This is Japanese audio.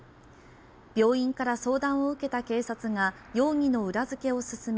病院から相談を受けた警察が容疑の裏付けを進め